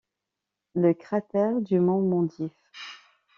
Le cratère du mont Mendif.